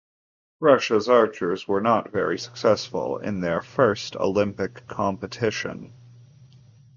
Russia's archers were not very successful in their first Olympic competition.